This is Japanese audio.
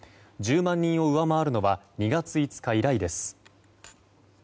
１０万人を上回るのは２月５日以来です。